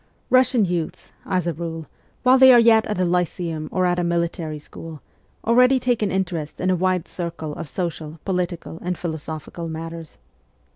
Russian youths, as a rule, while they are yet at a lyceum or in a military school, already take an interest in a wide circle of social, political, and philosophical matters.